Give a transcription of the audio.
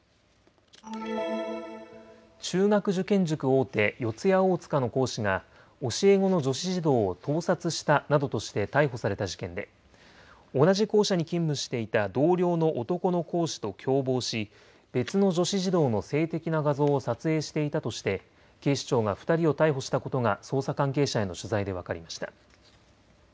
中学受験塾大手、四谷大塚の講師が教え子の女子児童を盗撮したなどとして逮捕された事件で同じ校舎に勤務していた同僚の男の講師と共謀し別の女子児童の性的な画像を撮影していたとして警視庁が２人を逮捕したことが捜査関係者への取材で分かりました。